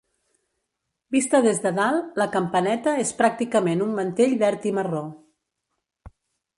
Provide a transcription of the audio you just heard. Vista des de dalt, La Campaneta és pràcticament un mantell verd i marró.